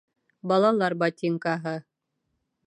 Балалар ботинкаһы